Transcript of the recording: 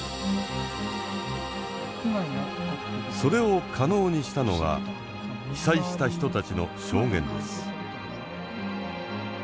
それを可能にしたのが被災した人たちの証言です。